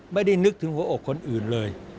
นึกถึงหัวอกคนอื่นเลย